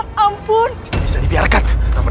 tidak bisa dibiarkan